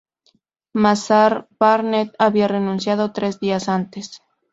Mazar Barnett había renunciado tres días antes.